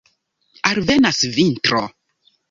Alvenas vintro.